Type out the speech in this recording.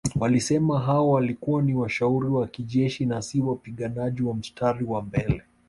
Walisema hao walikuwa ni washauri wa kijeshi na si wapiganaji wa mstari wa mbele